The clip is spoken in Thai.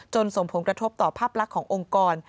ส่งผลกระทบต่อภาพลักษณ์ขององค์กร